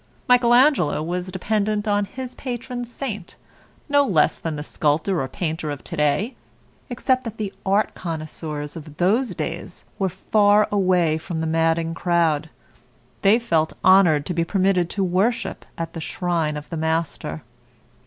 Michael Angelo was dependent on his patron saint, no less than the sculptor or painter of today, except that the art connoisseurs of those days were far away from the madding crowd. They felt honored to be permitted to worship at the shrine of the master.